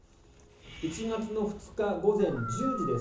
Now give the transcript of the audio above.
１月２日午前１０時です。